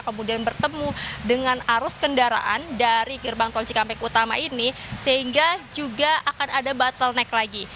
kemudian bertemu dengan arus kendaraan dari gerbang tol cikampek utama ini sehingga juga akan ada bottleneck lagi